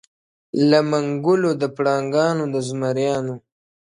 له منګولو د پړانګانو د زمریانو -